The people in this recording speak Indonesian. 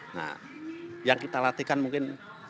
nah yang kita latihkan mungkin